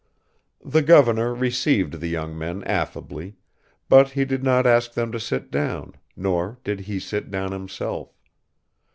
The governor received the young men affably, but he did not ask them to sit down, nor did he sit down himself.